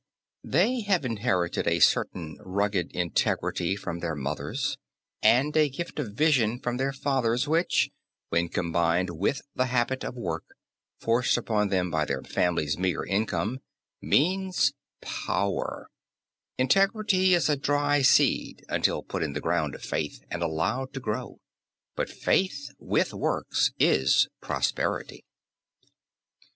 They have inherited a certain rugged integrity from their mothers and a gift of vision from their fathers which, when combined with the habit of work forced upon them by their family's meager income means power. Integrity is a dry seed until put in the ground of faith and allowed to grow. But faith with works is prosperity.